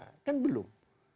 tersangka kan belum